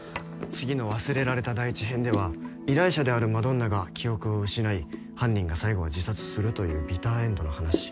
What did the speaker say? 次の『忘れられた大地』編では依頼者であるマドンナが記憶を失い犯人が最後は自殺するというビターエンドな話。